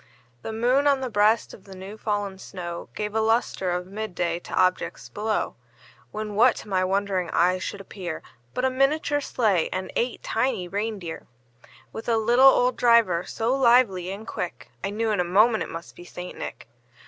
The moon, on the breast of the new fallen snow, Gave a lustre of mid day to objects below; When, what to my wondering eyes should appear, But a miniature sleigh, and eight tiny rein deer, With a little old driver, so lively and quick, I knew in a moment it must be St. Nick.